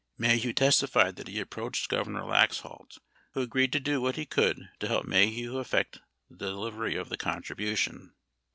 Maheu testified that he approached Governor Laxalt who agreed to do what he could to help Maheu effect the delivery of the con tribution.